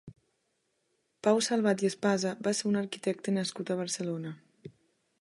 Pau Salvat i Espasa va ser un arquitecte nascut a Barcelona.